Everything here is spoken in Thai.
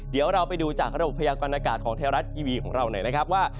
เดี๋ยวเราไปดูจากระบบพยากรณากาศของไทยรัฐทีวีของเราหน่อยนะครับว่า